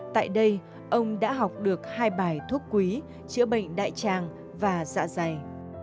tại đây ông đã học được hai bài thuốc quý chữa bệnh đại tràng và dạ dày